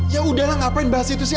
yaudah lah ngapain bahas itu sih